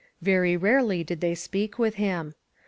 Very rarely did they speak with him.